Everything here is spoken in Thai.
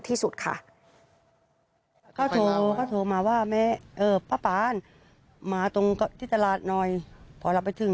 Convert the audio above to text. โอเคโอเคโอเค